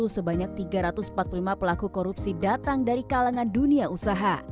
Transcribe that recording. sebanyak tiga ratus empat puluh lima pelaku korupsi datang dari kalangan dunia usaha